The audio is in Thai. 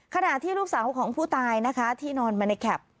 ขณะที่ลูกสาวของผู้ตายนะคะที่นอนมาในแคป